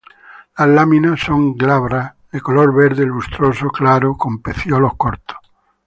Las láminas son glabras, de color verde lustroso claro con pecíolos cortos.